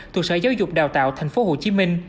thuộc sở giáo dục đào tạo tp hcm